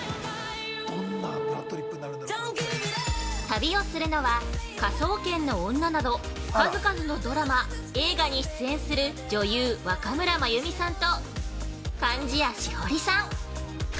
◆旅をするのは、科捜研の女など数々のドラマ・映画に出演する女優・若村麻由美さんと、貫地谷しほりさん